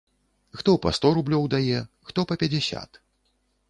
Хто па сто рублёў дае, хто па пяцьдзясят.